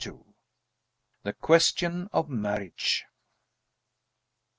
THE QUESTION OF MARRIAGE.